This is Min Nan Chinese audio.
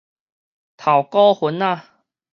頭股份仔